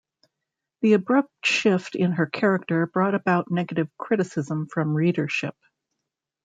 The abrupt shift in her character brought about negative criticism from readership.